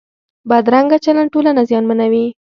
بدرنګه چلند ټولنه زیانمنوي